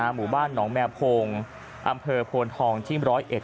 หมู่บ้านหนองแมวโพงอำเภอโพนทองที่๑๐๑